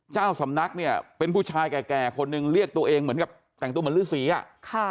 เจ้าสำนักเนี่ยเป็นผู้ชายแก่คนหนึ่งเรียกตัวเองเหมือนกับแต่งตัวเหมือนฤษีอ่ะค่ะ